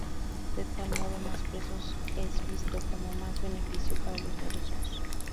De tal modo, más presos es visto como más beneficio para los negocios.